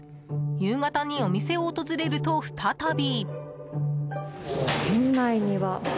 夕方にお店を訪れると、再び。